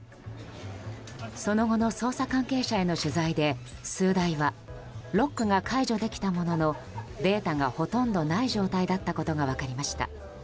その後の捜査関係者への取材で数台はロックが解除できたもののデータがほとんどない状態だったことが分かりました。